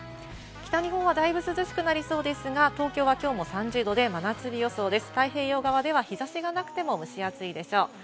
北日本はだいぶ涼しくなりそうですが、東京はきょうも３０度で真夏日予想です。